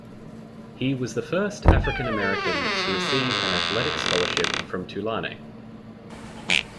He was the first African American to receive an athletic scholarship from Tulane.